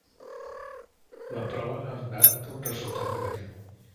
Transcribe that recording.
La prova ha donat un resultat negatiu.